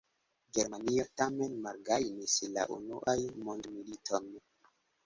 Germanio tamen malgajnis la Unuan mondmiliton.